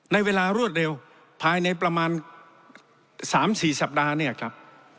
ในเวลารวดเร็วภายในประมาณ๓๔สัปดาห์เนี่ยครับ